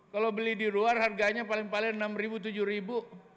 kalau beli di luar harganya paling paling rp enam tujuh ribu